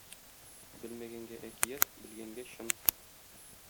Белмәгәнгә әкият, белгәнгә чын.